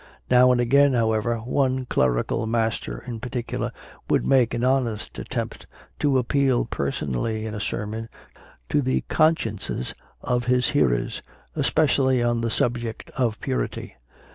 Now and again, however, one clerical master in particu lar would make an honest attempt to appeal person ally in a sermon to the consciences of his hearers, especially on the subject of purity.